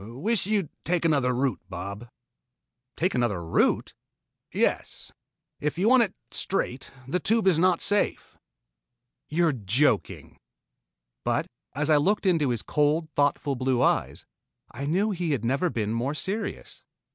"Wish you'd take another route, Bob." "Take another route?" "Yes. If you want it straight, the Tube is not safe." "You are joking." But as I looked into his cold, thoughtful blue eyes, I knew he had never been more serious.